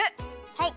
はい。